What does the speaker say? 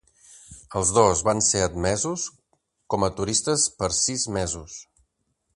Els dos van ser admesos com a turistes per sis mesos.